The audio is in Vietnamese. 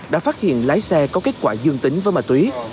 đã phát hiện lái xe có kết quả dương tính với ma túy